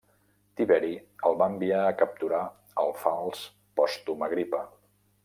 Tiberi el va enviar a capturar al fals Pòstum Agripa.